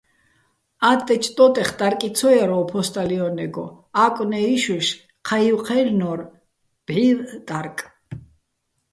ატტე́ჩო̆ ტო́ტეხ ტარკი ცო ჲარ ო ფო́სტალიონეგო, ა́კვნე ჲიშუშ ჴაივ ჴაჲლნო́რ ბჵივჸ ტარკ.